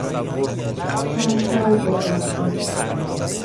چند سال گذشته